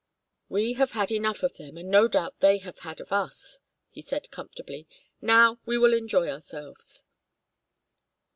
"We have had enough of them, and no doubt they have had of us," he said, comfortably. "Now we will enjoy ourselves."